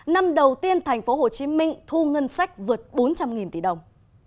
năm đầu tiên thành phố hồ chí minh thu ngân sách vượt bốn trăm linh tỷ đồng